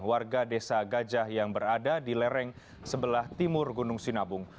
warga desa gajah yang berada di lereng sebelah timur gunung sinabung